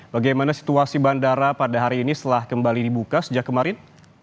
bagaimana situasi bandara pada hari ini setelah kembali dibuka sejak kemarin